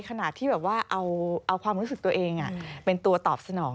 ขนาดที่แบบว่าเอาความรู้สึกตัวเองเป็นตัวตอบสนอง